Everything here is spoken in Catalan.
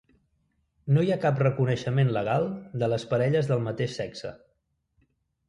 No hi ha cap reconeixement legal de les parelles del mateix sexe.